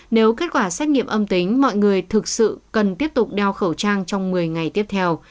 nếu kết quả xét nghiệm âm tính mọi người thực sự cần tiếp tục đeo khẩu trang trong một mươi ngày tiếp theo